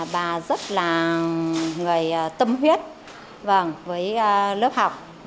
bà rất là người tâm huyết với lớp học